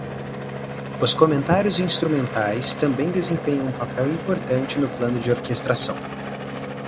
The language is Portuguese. Os comentários instrumentais também desempenham um papel importante no plano de orquestração.